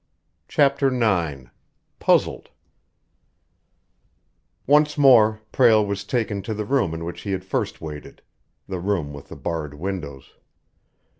CHAPTER IX PUZZLED Once more Prale was taken to the room in which he had first waited the room with the barred windows.